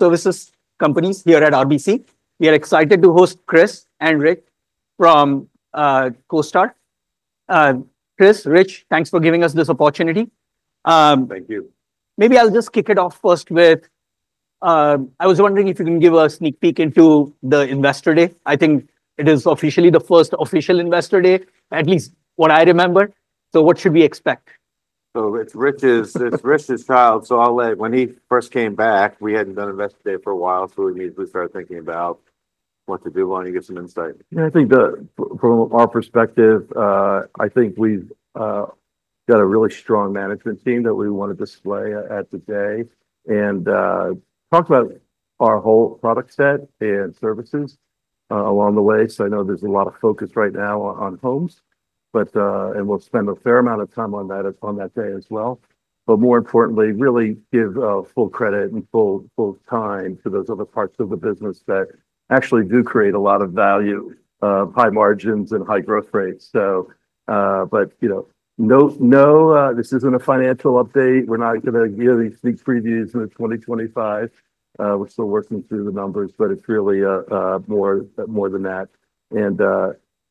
Services companies here at RBC. We are excited to host Chris and Rich from CoStar. Chris, Rich, thanks for giving us this opportunity. Thank you. Maybe I'll just kick it off first with, I was wondering if you can give a sneak peek into the Investor Day. I think it is officially the first official Investor Day, at least what I remember. So what should we expect? So it's Rich's child, so I'll let when he first came back, we hadn't done Investor Day for a while, so we immediately started thinking about what to do. Why don't you give some insight? Yeah, I think from our perspective, I think we've got a really strong management team that we want to display at the day and talk about our whole product set and services along the way. So I know there's a lot of focus right now on homes, and we'll spend a fair amount of time on that day as well. But more importantly, really give full credit and full time to those other parts of the business that actually do create a lot of value, high margins, and high growth rates. But this isn't a financial update. We're not going to give you these big previews in 2025. We're still working through the numbers, but it's really more than that.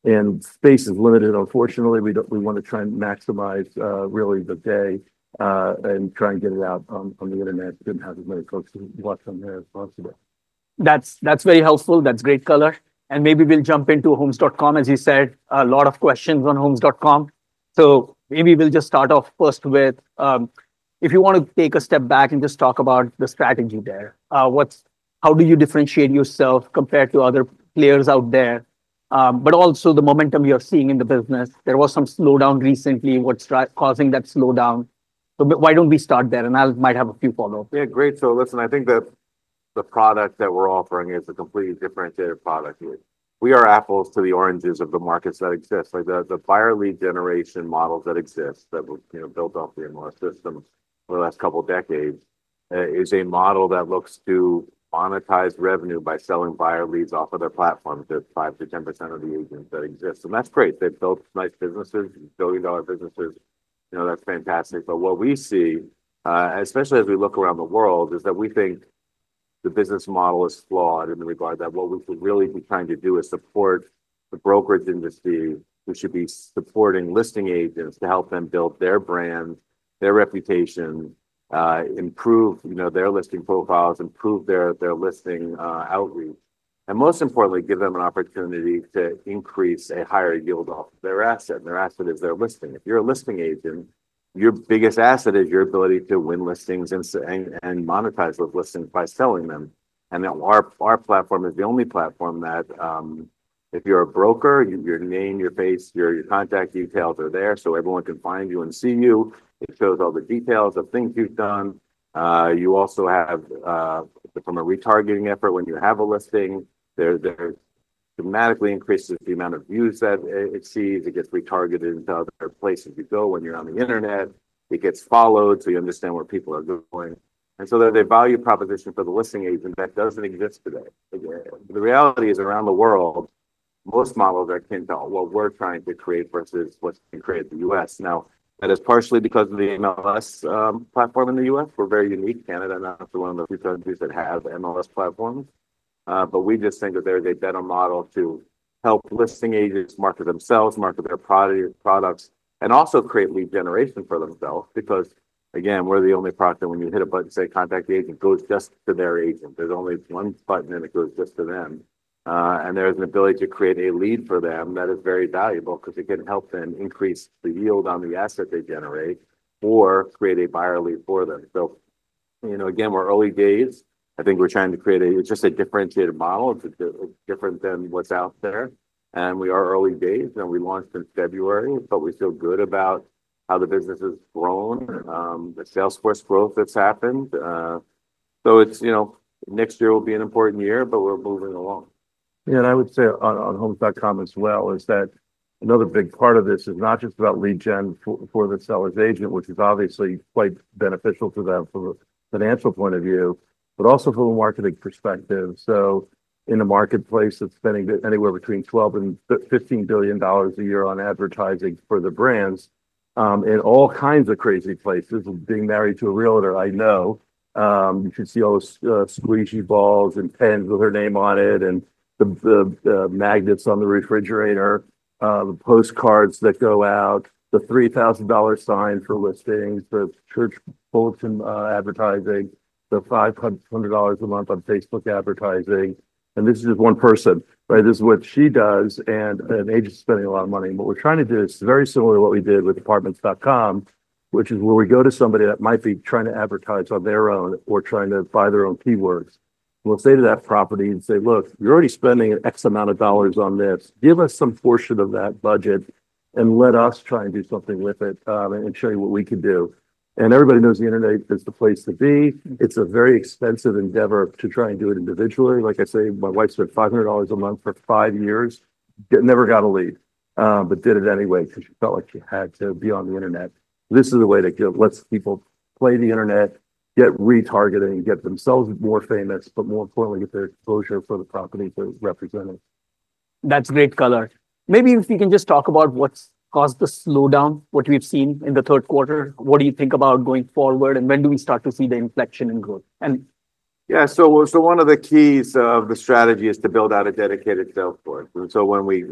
And space is limited, unfortunately. We want to try and maximize really the day and try and get it out on the internet so we can have as many folks watch on there as possible. That's very helpful. That's great color, and maybe we'll jump into Homes.com, as you said, a lot of questions on Homes.com, so maybe we'll just start off first with, if you want to take a step back and just talk about the strategy there, how do you differentiate yourself compared to other players out there, but also the momentum you're seeing in the business? There was some slowdown recently. What's causing that slowdown, so why don't we start there, and I might have a few follow-ups? Yeah, great. So listen, I think that the product that we're offering is a completely differentiated product. We are apples to the oranges of the markets that exist. The buyer lead generation model that exists that we've built off of our system over the last couple of decades is a model that looks to monetize revenue by selling buyer leads off of their platform to 5%-10% of the agents that exist. And that's great. They've built nice businesses, billion-dollar businesses. That's fantastic. But what we see, especially as we look around the world, is that we think the business model is flawed in regard that what we should really be trying to do is support the brokerage industry, which should be supporting listing agents to help them build their brand, their reputation, improve their listing profiles, improve their listing outreach, and most importantly, give them an opportunity to increase a higher yield off of their asset. And their asset is their listing. If you're a listing agent, your biggest asset is your ability to win listings and monetize those listings by selling them. And our platform is the only platform that if you're a broker, your name, your face, your contact details are there so everyone can find you and see you. It shows all the details of things you've done. You also have, from a retargeting effort, when you have a listing, there's dramatically increases the amount of views that it sees. It gets retargeted into other places you go when you're on the internet. It gets followed so you understand where people are going. And so there's a value proposition for the listing agent that doesn't exist today. The reality is around the world, most models are akin to what we're trying to create versus what's been created in the U.S. Now, that is partially because of the MLS platform in the U.S. We're very unique. Canada is not one of the few countries that have MLS platforms. But we just think that there is a better model to help listing agents market themselves, market their products, and also create lead generation for themselves. Because again, we're the only product that when you hit a button and say, "Contact the agent," it goes just to their agent. There's only one button, and it goes just to them. And there is an ability to create a lead for them that is very valuable because it can help them increase the yield on the asset they generate or create a buyer lead for them. So again, we're early days. I think we're trying to create just a differentiated model. It's different than what's out there. And we are early days. And we launched in February, but we feel good about how the business has grown, the sales force growth that's happened. So next year will be an important year, but we're moving along. Yeah, and I would say on Homes.com as well is that another big part of this is not just about lead gen for the seller's agent, which is obviously quite beneficial to them from a financial point of view, but also from a marketing perspective. So in a marketplace that's spending anywhere between $12billion-$15 billion a year on advertising for the brands in all kinds of crazy places, being married to a realtor, I know. You can see all the squeezy balls and pens with her name on it and the magnets on the refrigerator, the postcards that go out, the $3,000 sign for listings, the church bulletin advertising, the $500 a month on Facebook advertising, and this is just one person. This is what she does, and an agent's spending a lot of money. What we're trying to do is very similar to what we did with Apartments.com, which is where we go to somebody that might be trying to advertise on their own or trying to buy their own keywords. We'll go to that property and say, "Look, you're already spending an X amount of dollars on this. Give us some portion of that budget and let us try and do something with it and show you what we can do." And everybody knows the internet is the place to be. It's a very expensive endeavor to try and do it individually. Like I say, my wife spent $500 a month for five years, never got a lead, but did it anyway because she felt like she had to be on the internet. This is the way that lets people play the internet, get retargeted, and get themselves more famous, but more importantly, get their exposure for the property to represent it. That's great color. Maybe if you can just talk about what's caused the slowdown, what we've seen in the third quarter, what do you think about going forward, and when do we start to see the inflection in growth? Yeah, so one of the keys of the strategy is to build out a dedicated sales force. And so when we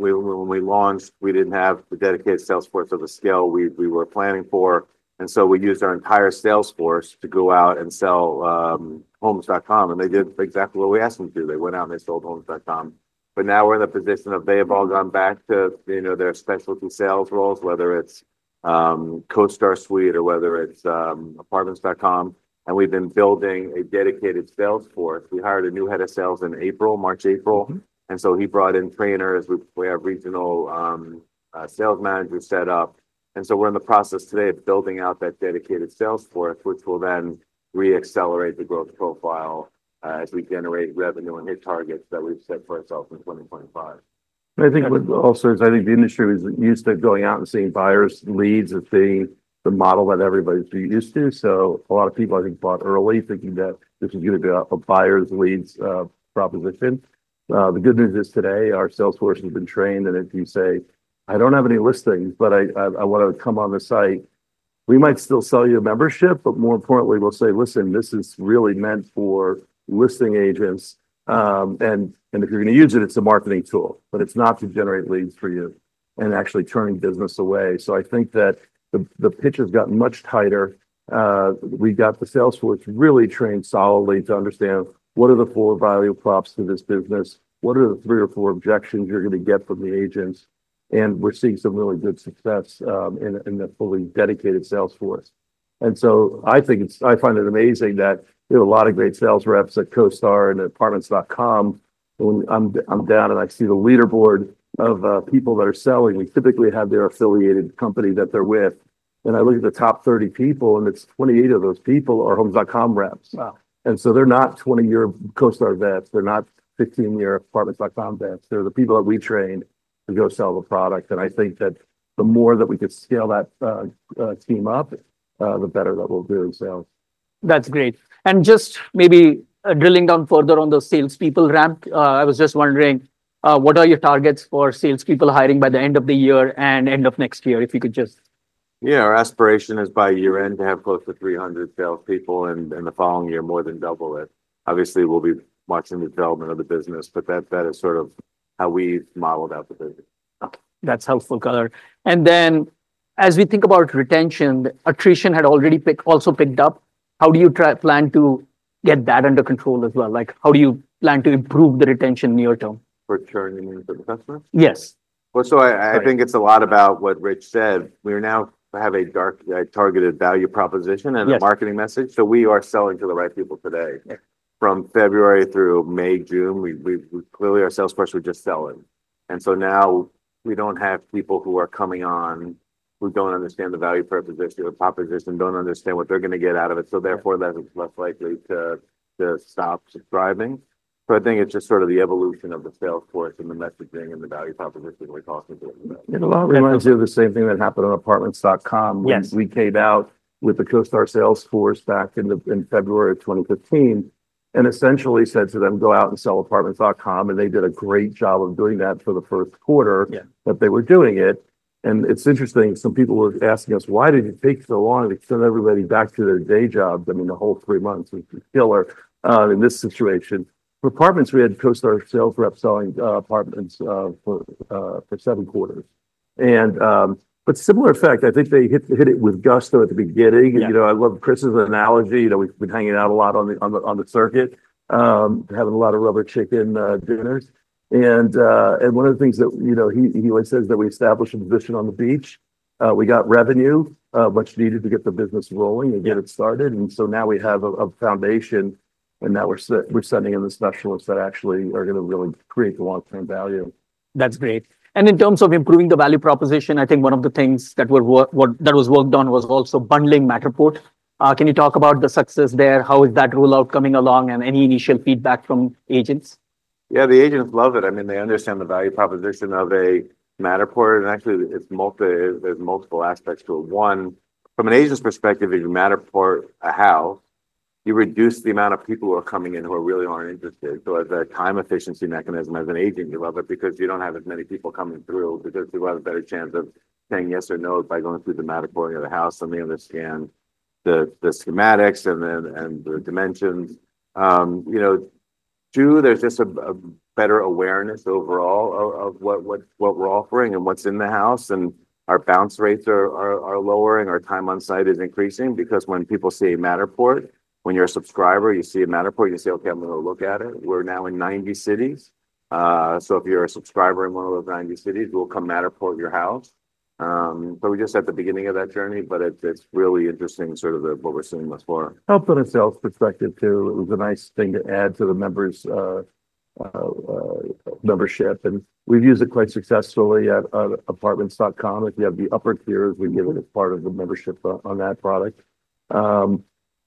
launched, we didn't have the dedicated sales force of the scale we were planning for. And so we used our entire sales force to go out and sell Homes.com. And they did exactly what we asked them to do. They went out and they sold Homes.com. But now we're in the position of they have all gone back to their specialty sales roles, whether it's CoStar Suite or whether it's Apartments.com. And we've been building a dedicated sales force. We hired a new head of sales in April, March-April. And so he brought in trainers. We have regional sales managers set up. We're in the process today of building out that dedicated sales force, which will then re-accelerate the growth profile as we generate revenue and hit targets that we've set for ourselves in 2025. I think also I think the industry was used to going out and seeing buyer's leads as being the model that everybody's used to. So a lot of people, I think, bought early thinking that this was going to be a buyer's leads proposition. The good news is, today, our sales force has been trained, and if you say, "I don't have any listings, but I want to come on the site," we might still sell you a membership, but more importantly, we'll say, "Listen, this is really meant for listing agents, and if you're going to use it, it's a marketing tool, but it's not to generate leads for you and actually turn business away." So I think that the pitch has gotten much tighter. We got the Sales force really trained solidly to understand what are the four value props to this business, what are the three or four objections you're going to get from the agents. And we're seeing some really good success in the fully dedicated Salesforce. And so I think it's I find it amazing that we have a lot of great sales reps at CoStar and at Apartments.com. I'm down and I see the leaderboard of people that are selling. We typically have their affiliated company that they're with. And I look at the top 30 people, and it's 28 of those people are Homes.com reps. And so they're not 20-year CoStar vets. They're not 15-year Apartments.com vets. They're the people that we trained to go sell the product. And I think that the more that we could scale that team up, the better that will do in sales. That's great. And just maybe drilling down further on the salespeople ramp, I was just wondering, what are your targets for salespeople hiring by the end of the year and end of next year, if you could just? Yeah, our aspiration is by year-end to have close to 300 salespeople, and the following year, more than double it. Obviously, we'll be watching the development of the business, but that is sort of how we've modeled out the business. That's helpful color, and then as we think about retention, attrition had already also picked up. How do you plan to get that under control as well? How do you plan to improve the retention near-term? Return to the customer? Yes. I think it's a lot about what Rich said. We now have a targeted value proposition and a marketing message. We are selling to the right people today. From February through May, June, clearly, our sales force would just sell it. Now we don't have people who are coming on who don't understand the value proposition, don't understand what they're going to get out of it. Therefore, that's less likely to stop subscribing. I think it's just sort of the evolution of the sales force and the messaging and the value proposition we're talking to. It reminds me a lot of the same thing that happened on Apartments.com. We came out with the CoStar sales force back in February of 2015 and essentially said to them, "Go out and sell Apartments.com." They did a great job of doing that for the first quarter that they were doing it. It's interesting, some people were asking us, "Why did you take so long?" They sent everybody back to their day jobs. I mean, the whole three months was killer in this situation. For apartments, we had CoStar sales reps selling apartments for seven quarters. Similar effect, I think they hit it with gusto at the beginning. I love Chris's analogy. We've been hanging out a lot on the circuit, having a lot of rubber chicken dinners. One of the things that he always says is that we established a position on the beach. We got revenue, much needed to get the business rolling and get it started. And so now we have a foundation, and now we're sending in the specialists that actually are going to really create the long-term value. That's great. In terms of improving the value proposition, I think one of the things that was worked on was also bundling Matterport. Can you talk about the success there? How is that rollout coming along? Any initial feedback from agents? Yeah, the agents love it. I mean, they understand the value proposition of a Matterport. And actually, there's multiple aspects to it. One, from an agent's perspective, if you Matterport a house, you reduce the amount of people who are coming in who really aren't interested. So as a time efficiency mechanism, as an agent, you love it because you don't have as many people coming through because you have a better chance of saying yes or no by going through the Matterport of the house. And they understand the schematics and the dimensions. Two, there's just a better awareness overall of what we're offering and what's in the house. And our bounce rates are lowering. Our time on site is increasing because when people see a Matterport, when you're a subscriber, you see a Matterport, you say, "Okay, I'm going to look at it." We're now in 90 cities. So if you're a subscriber in one of those 90 cities, we'll come Matterport your house. So we're just at the beginning of that journey, but it's really interesting sort of what we're seeing thus far. Helpful in a sales perspective too. It was a nice thing to add to the members' membership. And we've used it quite successfully at Apartments.com. If you have the upper tiers, we give it as part of the membership on that product.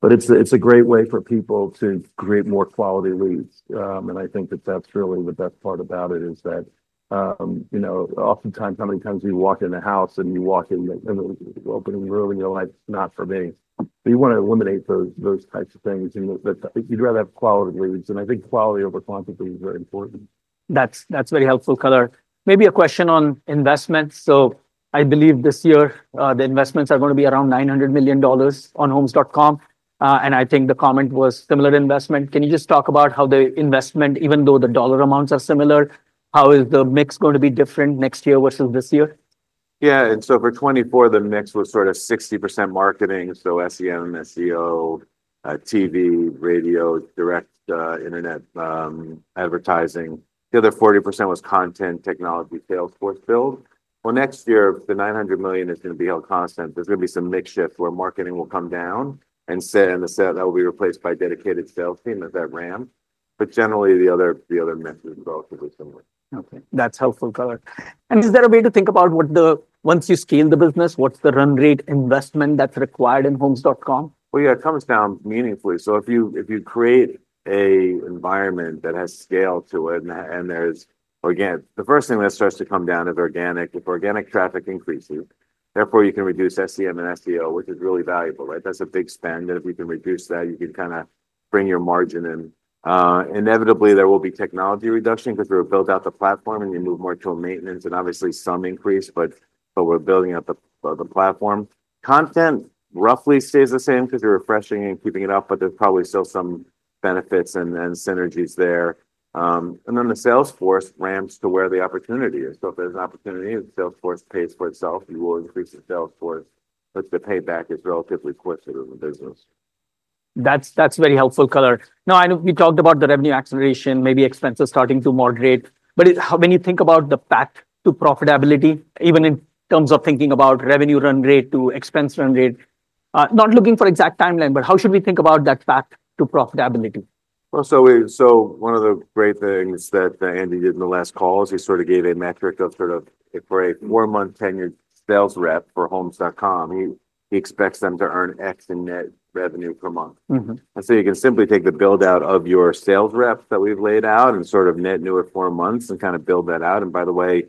But it's a great way for people to create more quality leads. And I think that that's really the best part about it is that oftentimes, how many times you walk in the house and you walk in the opening room, and you're like, "Not for me." But you want to eliminate those types of things. You'd rather have quality leads. And I think quality over quantity is very important. That's very helpful color. Maybe a question on investments. So I believe this year, the investments are going to be around $900 million on Homes.com. And I think the comment was similar to investment. Can you just talk about how the investment, even though the dollar amounts are similar, how is the mix going to be different next year versus this year? Yeah, and so for 2024, the mix was sort of 60% marketing, so SEM, SEO, TV, radio, direct internet advertising. The other 40% was content technology Salesforce build. Next year, the $900 million is going to be held constant. There's going to be some mixture where marketing will come down and that will be replaced by dedicated sales team at that ramp, but generally, the other method is relatively similar. Okay. That's helpful color. And is there a way to think about what the, once you scale the business, what's the run rate investment that's required in Homes.com? Well, yeah, it comes down meaningfully. So if you create an environment that has scale to it and there's organic, the first thing that starts to come down is organic. If organic traffic increases, therefore, you can reduce SEM and SEO, which is really valuable. That's a big spend. And if you can reduce that, you can kind of bring your margin in. Inevitably, there will be technology reduction because we will build out the platform and you move more to a maintenance and obviously some increase, but we're building out the platform. Content roughly stays the same because you're refreshing and keeping it up, but there's probably still some benefits and synergies there. And then the Salesforce ramps to where the opportunity is. So if there's an opportunity, Salesforce pays for itself. You will increase the Salesforce, but the payback is relatively quick for the business. That's very helpful color. Now, I know we talked about the revenue acceleration, maybe expenses starting to moderate. But when you think about the path to profitability, even in terms of thinking about revenue run rate to expense run rate, not looking for exact timeline, but how should we think about that path to profitability? So one of the great things that Andy did in the last call is he sort of gave a metric of sort of for a four-month tenured sales rep for Homes.com, he expects them to earn X in net revenue per month. And so you can simply take the build-out of your sales rep that we've laid out and sort of net new at four months and kind of build that out. And by the way,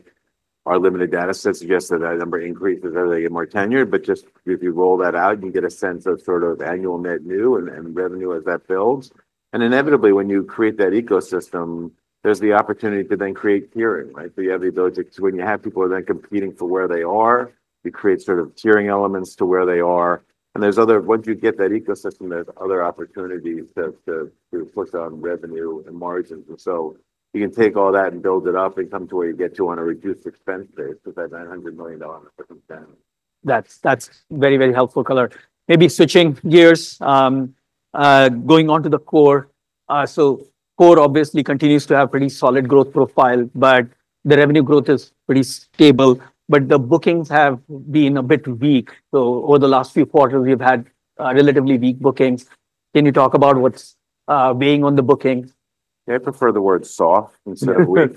our limited data set suggests that that number increases as they get more tenured. But just if you roll that out, you get a sense of sort of annual net new and revenue as that builds. And inevitably, when you create that ecosystem, there's the opportunity to then create tiering. So you have the ability to, when you have people then competing for where they are, you create sort of tiering elements to where they are. And there's other, once you get that ecosystem, there's other opportunities to push on revenue and margins. And so you can take all that and build it up and come to where you get to on a reduced expense base with that $900 million circumstance. That's very, very helpful color. Maybe switching gears, going on to the core. So core obviously continues to have pretty solid growth profile, but the revenue growth is pretty stable. But the bookings have been a bit weak. So over the last few quarters, we've had relatively weak bookings. Can you talk about what's weighing on the bookings? Yeah, I prefer the word soft instead of weak.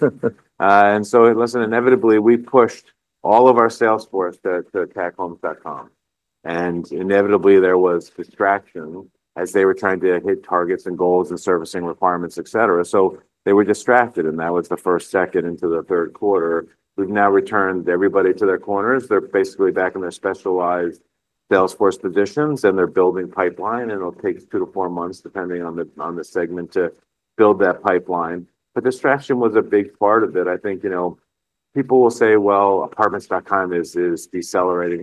So listen, inevitably we pushed all of our sales force to attack Homes.com. Inevitably there was distraction as they were trying to hit targets and goals and servicing requirements, etc. They were distracted, and that was the first second into the third quarter. We have now returned everybody to their corners. They are basically back in their specialized sales force positions, and they are building pipeline. It will take two to four months, depending on the segment, to build that pipeline. Distraction was a big part of it. I think people will say, "Well, Apartments.com is decelerating."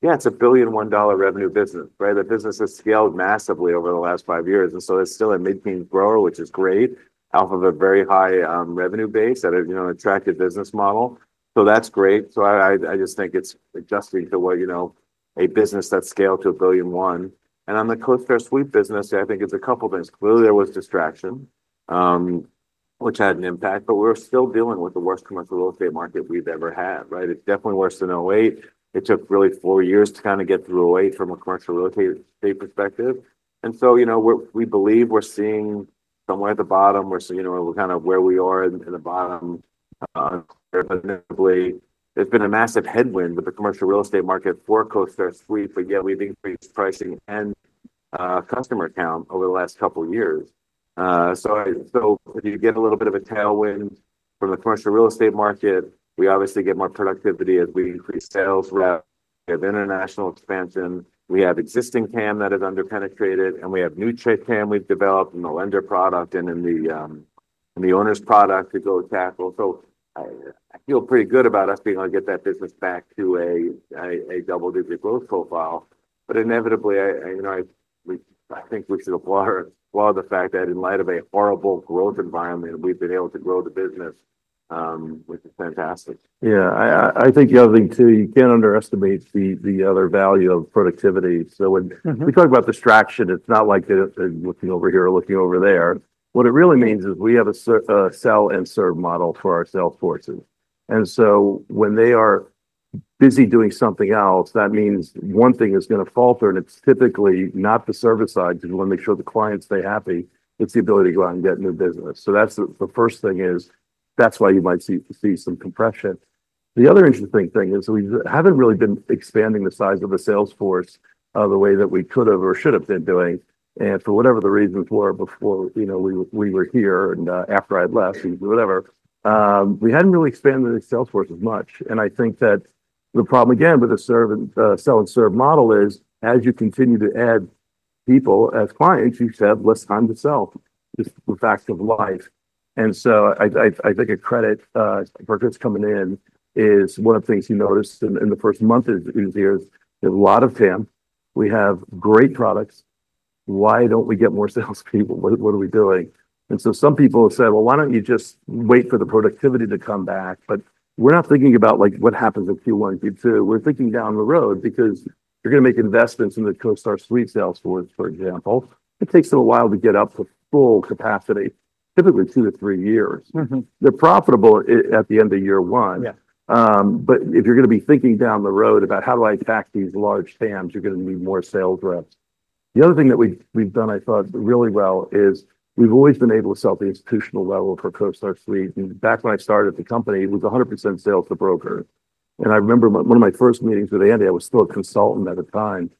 Yeah, it is a $1.1 billion revenue business. The business has scaled massively over the last five years. It is still a mid-teens grower, which is great, off of a very high revenue base that has an attractive business model. That is great. So I just think it's adjusting to a business that's scaled to a billion-one. And on the CoStar Suite business, I think it's a couple of things. Clearly, there was distraction, which had an impact, but we're still dealing with the worst commercial real estate market we've ever had. It's definitely worse than 2008. It took really four years to kind of get through 2008 from a commercial real estate perspective. And so we believe we're seeing somewhere at the bottom. We're kind of where we are in the bottom. There's been a massive headwind with the commercial real estate market for CoStar Suite, but yet we've increased pricing and customer count over the last couple of years. So if you get a little bit of a tailwind from the commercial real estate market, we obviously get more productivity as we increase sales rep. We have international expansion. We have existing CAM that is under-penetrated, and we have new CAM we've developed in the lender product and in the owner's product to go attack, so I feel pretty good about us being able to get that business back to a double-digit growth profile, but inevitably, I think we should applaud the fact that in light of a horrible growth environment, we've been able to grow the business, which is fantastic. Yeah. I think the other thing too, you can't underestimate the other value of productivity. So when we talk about distraction, it's not like looking over here or looking over there. What it really means is we have a sell and serve model for our sales force. And so when they are busy doing something else, that means one thing is going to falter, and it's typically not the service side because we want to make sure the client stay happy. It's the ability to go out and get new business. So that's the first thing is that's why you might see some compression. The other interesting thing is we haven't really been expanding the size of the sales force the way that we could have or should have been doing. And for whatever the reasons were before we were here and after I had left, whatever, we hadn't really expanded the sales force as much. And I think that the problem, again, with the sell and serve model is as you continue to add people as clients, you have less time to sell. Just the fact of life. And so I think a credit for Chris coming in is one of the things he noticed in the first month is a lot of TAM. We have great products. Why don't we get more salespeople? What are we doing? And so some people have said, "Well, why don't you just wait for the productivity to come back?" But we're not thinking about what happens in Q1, Q2. We're thinking down the road because you're going to make investments in the CoStar Suite sales force, for example. It takes them a while to get up to full capacity, typically two to three years. They're profitable at the end of year one. But if you're going to be thinking down the road about how do I attack these large TAMs, you're going to need more sales reps. The other thing that we've done, I thought, really well is we've always been able to sell the institutional level for CoStar Suite. And back when I started at the company, it was 100% sales to brokers. And I remember one of my first meetings with Andy, I was still a consultant at the time.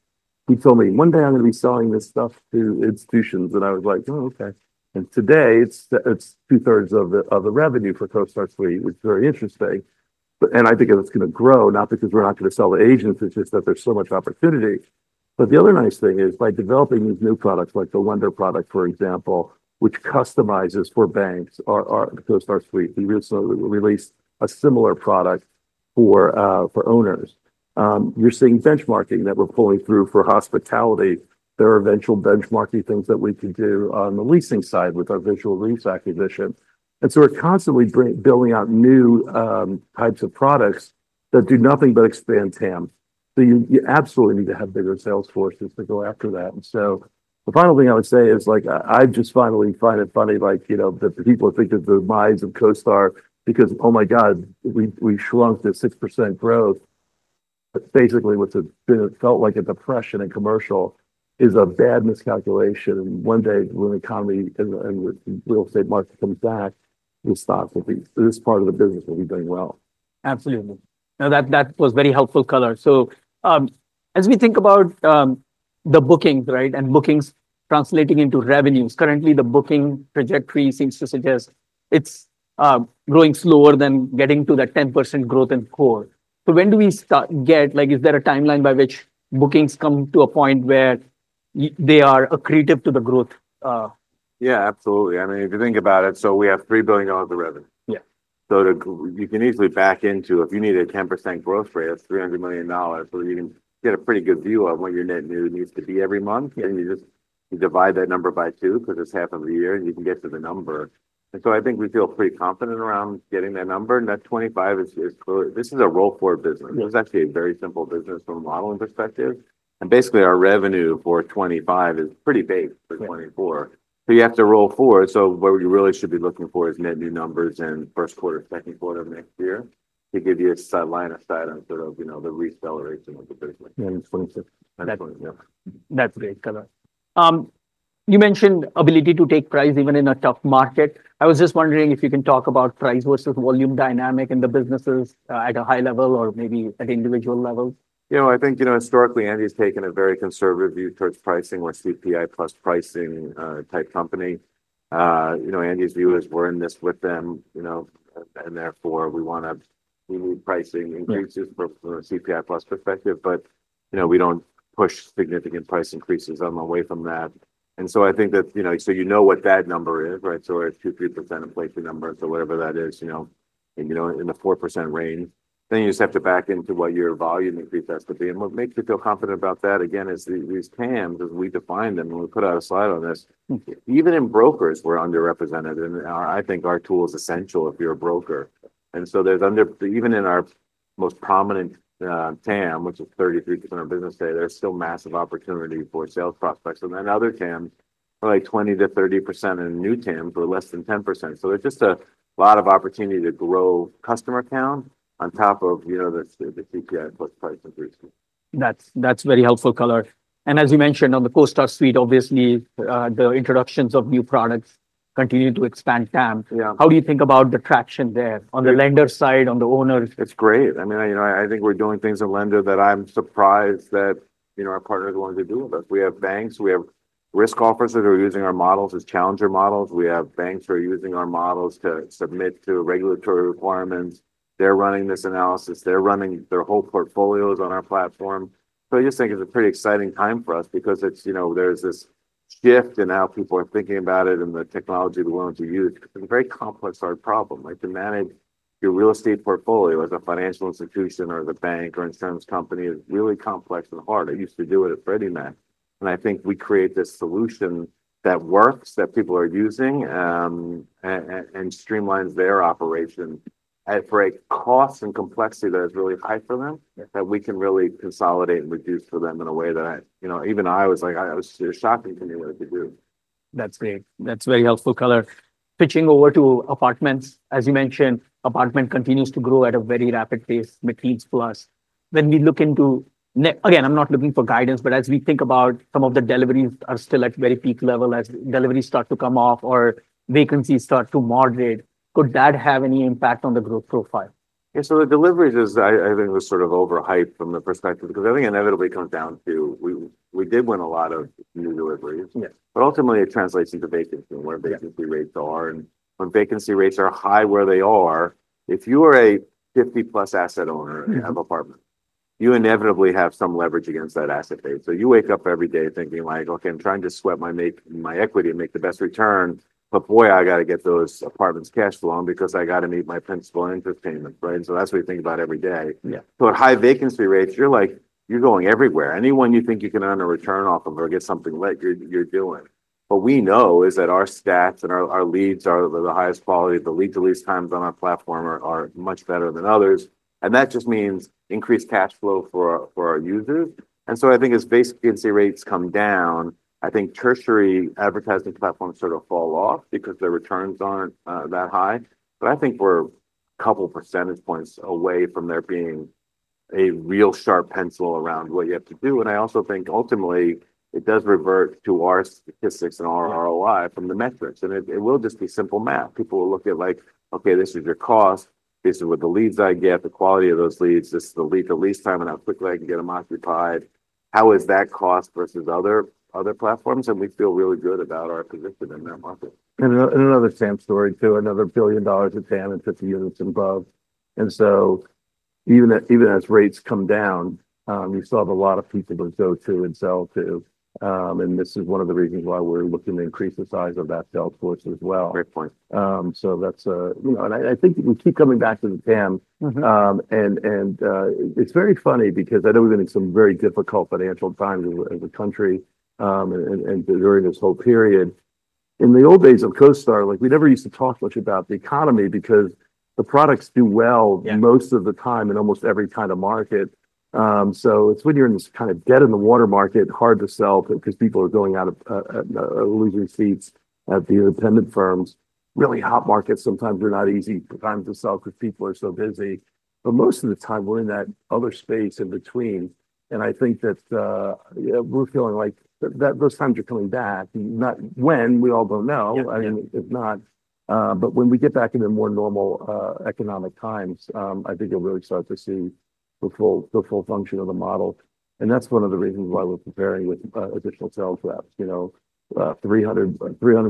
He told me, "One day, I'm going to be selling this stuff to institutions." And I was like, "Oh, okay." And today, it's two-thirds of the revenue for CoStar Suite. It's very interesting. And I think it's going to grow, not because we're not going to sell to agents. It's just that there's so much opportunity. But the other nice thing is by developing these new products like the Lender product, for example, which customizes for banks, CoStar Suite. We recently released a similar product for owners. You're seeing benchmarking that we're pulling through for hospitality. There are eventual benchmarking things that we can do on the leasing side with our Visual Lease acquisition. And so we're constantly building out new types of products that do nothing but expand CAM. So you absolutely need to have bigger Salesforces to go after that. And so the final thing I would say is I just finally find it funny that the people think of the minds of CoStar because, "Oh my God, we shrunk to 6% growth." Basically, what's been felt like a depression in commercial is a bad miscalculation. And one day, when the economy and real estate market comes back, this part of the business will be doing well. Absolutely. Now, that was very helpful color. So as we think about the bookings and bookings translating into revenues, currently, the booking trajectory seems to suggest it's growing slower than getting to that 10% growth in core. So when do we start to get? Is there a timeline by which bookings come to a point where they are accretive to the growth? Yeah, absolutely. I mean, if you think about it, so we have $3 billion of revenue. So you can easily back into if you need a 10% growth rate, that's $300 million. So you can get a pretty good view of what your net new needs to be every month. And you just divide that number by two because it's half of the year, and you can get to the number. And so I think we feel pretty confident around getting that number. And that 25 is clearly this is a roll forward business. It's actually a very simple business from a modeling perspective. And basically, our revenue for 25 is pretty base for 24. So you have to roll forward. What we really should be looking for is net new numbers in first quarter, second quarter of next year to give you a line of sight on sort of the re-acceleration of the business. That's great color. You mentioned ability to take price even in a tough market. I was just wondering if you can talk about price versus volume dynamic in the businesses at a high level or maybe at individual levels. I think historically, Andy has taken a very conservative view towards pricing or CPI plus pricing type company. Andy's view is we're in this with them, and therefore, we need pricing increases from a CPI plus perspective, but we don't push significant price increases on the way from that, and so I think that so you know what that number is, right, so we're at 2%-3% inflation numbers or whatever that is in the 4% range, then you just have to back into what your volume increase has to be, and what makes me feel confident about that, again, is these CAMs, as we define them, and we put out a slide on this. Even in brokers, we're underrepresented, and I think our tool is essential if you're a broker. And so even in our most prominent CAM, which is 33% of business today, there's still massive opportunity for sales prospects. And then other CAMs are like 20%-30%, and new CAMs are less than 10%. So there's just a lot of opportunity to grow customer count on top of the CPI plus price increase. That's very helpful color. And as you mentioned, on the CoStar Suite, obviously, the introductions of new products continue to expand CAM. How do you think about the traction there on the lender side, on the owner? It's great. I mean, I think we're doing things at Lender that I'm surprised that our partners want to do with us. We have banks. We have risk officers who are using our models as challenger models. We have banks who are using our models to submit to regulatory requirements. They're running this analysis. They're running their whole portfolios on our platform. So I just think it's a pretty exciting time for us because there's this shift in how people are thinking about it and the technology they're willing to use. It's a very complex hard problem. To manage your real estate portfolio as a financial institution or as a bank or insurance company is really complex and hard. I used to do it at Freddie Mac. I think we create this solution that works, that people are using, and streamlines their operation for a cost and complexity that is really high for them that we can really consolidate and reduce for them in a way that even I was like. It was shocking to me what it could do. That's great. That's very helpful color. Pivoting over to apartments, as you mentioned, apartments continues to grow at a very rapid pace, mid-teens plus. When we look into it again, I'm not looking for guidance, but as we think about some of the deliveries are still at very peak level, as deliveries start to come off or vacancies start to moderate, could that have any impact on the growth profile? Yeah. So the deliveries, I think, was sort of overhyped from the perspective because I think inevitably it comes down to we did win a lot of new deliveries. But ultimately, it translates into vacancy and where vacancy rates are. And when vacancy rates are high where they are, if you are a 50-plus asset owner and have apartments, you inevitably have some leverage against that asset base. So you wake up every day thinking like, "Okay, I'm trying to sweat my equity and make the best return, but boy, I got to get those apartments cash flowing because I got to meet my principal and interest payments," right? And so that's what you think about every day. So at high vacancy rates, you're like, "You're going everywhere. Anyone you think you can earn a return off of or get something lit, you're doing." What we know is that our stats and our leads are the highest quality. The lead-to-lease times on our platform are much better than others, and that just means increased cash flow for our users, and so I think as vacancy rates come down, I think tertiary advertising platforms sort of fall off because their returns aren't that high, but I think we're a couple percentage points away from there being a real sharp pencil around what you have to do, and I also think ultimately, it does revert to our statistics and our ROI from the metrics, and it will just be simple math. People will look at like, "Okay, this is your cost. This is what the leads I get, the quality of those leads, this is the lead-to-lease time and how quickly I can get them occupied. How is that cost versus other platforms?" and we feel really good about our position in that market. And another same story too, another $1 billion of CAM and 50 units and above. And so even as rates come down, we still have a lot of people to go to and sell to. And this is one of the reasons why we're looking to increase the size of that sales force as well. Great point. So that's a, and I think we keep coming back to the CAM. And it's very funny because I know we've been in some very difficult financial times as a country during this whole period. In the old days of CoStar, we never used to talk much about the economy because the products do well most of the time in almost every kind of market. So it's when you're in this kind of dead in the water market, hard to sell because people are going out of losing seats at the independent firms. Really hot markets sometimes are not easy times to sell because people are so busy. But most of the time, we're in that other space in between. And I think that we're feeling like those times are coming back. When we all don't know, I mean, if not. But when we get back into more normal economic times, I think you'll really start to see the full function of the model. And that's one of the reasons why we're preparing with additional sales reps. 300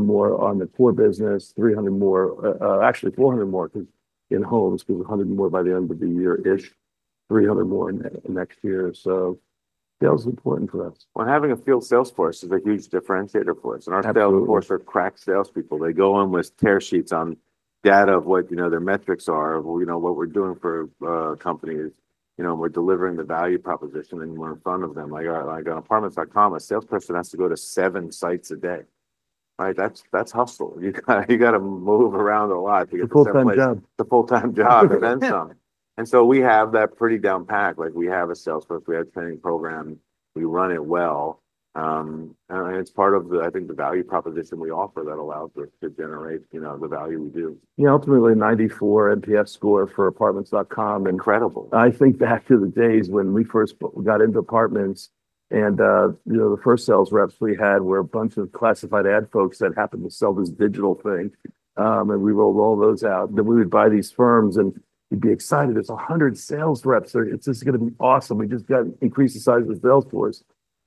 more on the core business, 300 more, actually 400 more in homes because 100 more by the end of the year-ish, 300 more next year. So sales is important for us. Having a field sales force is a huge differentiator for us. Our sales force are crack salespeople. They go in with tear sheets on data of what their metrics are, what we're doing for a company, and we're delivering the value proposition and we're in front of them. Like on Apartments.com, a salesperson has to go to seven sites a day. That's hustle. You got to move around a lot. It's a full-time job. It's a full-time job, and then some. And so we have that pretty down pat. We have a sales force. We have a training program. We run it well. And it's part of, I think, the value proposition we offer that allows us to generate the value we do. Yeah. Ultimately, 94 NPS score for Apartments.com. Incredible. I think back to the days when we first got into apartments and the first sales reps we had were a bunch of classified ad folks that happened to sell this digital thing. And we rolled all those out. Then we would buy these firms and we'd be excited. There's 100 sales reps. This is going to be awesome. We just got to increase the size of the sales force.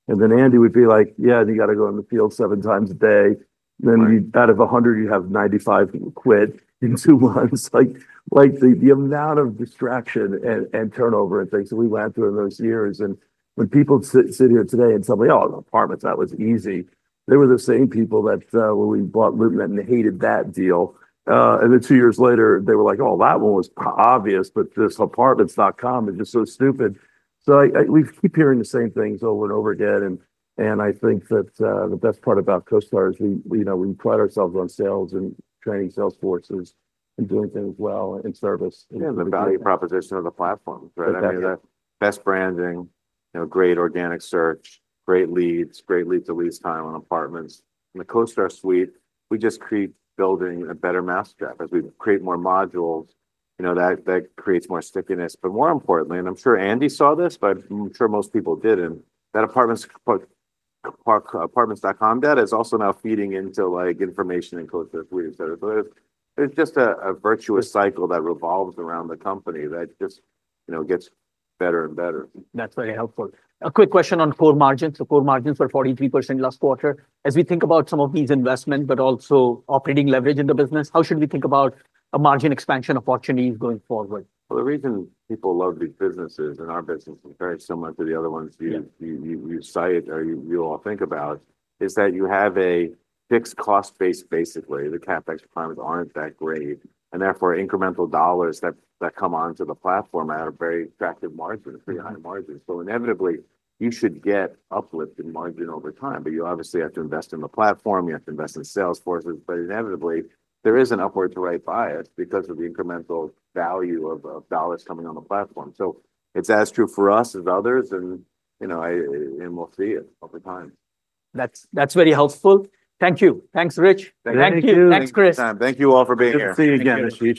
And then Andy would be like, "Yeah, you got to go in the field seven times a day. Then out of 100, you have 95 quit in two months." The amount of distraction and turnover and things that we went through in those years. And when people sit here today and tell me, "Oh, apartments, that was easy." They were the same people that when we bought LoopNet and hated that deal. Then two years later, they were like, "Oh, that one was obvious, but this Apartments.com is just so stupid." We keep hearing the same things over and over again. I think that the best part about CoStar is we pride ourselves on sales and training sales forces and doing things well in service. And the value proposition of the platform, right? I mean, the best branding, great organic search, great leads, great lead-to-lease time on apartments. In the CoStar Suite, we just keep building a better mousetrap as we create more modules. That creates more stickiness. But more importantly, and I'm sure Andy saw this, but I'm sure most people didn't, that Apartments.com data is also now feeding into information in CoStar Suite, etc. So there's just a virtuous cycle that revolves around the company that just gets better and better. That's very helpful. A quick question on core margins. So core margins were 43% last quarter. As we think about some of these investments, but also operating leverage in the business, how should we think about a margin expansion opportunity going forward? The reason people love these businesses and our business compares so much to the other ones you cite or you all think about is that you have a fixed cost base, basically. The CapEx requirements aren't that great, and therefore, incremental dollars that come onto the platform at a very attractive margin, a pretty high margin. Inevitably, you should get uplift in margin over time. You obviously have to invest in the platform. You have to invest in sales forces. Inevitably, there is an upward to right bias because of the incremental value of dollars coming on the platform. It's as true for us as others, and we'll see it over time. That's very helpful. Thank you. Thanks, Rich. Thank you. Thank you, Chris. Thank you all for being here. Thanks to you again, Richard.